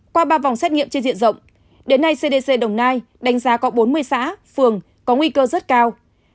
qua ba vòng xét nghiệm trên diện rộng đến nay cdc đồng nai đánh giá có bốn mươi xã phường có nguy cơ rất cao